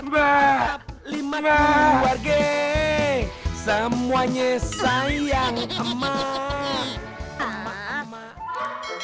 lima keluarga semuanya sayang emak